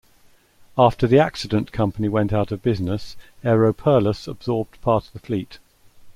After the accident company went out of business, Aeroperlas absorbed part of the fleet.